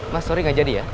mas sorry gak jadi ya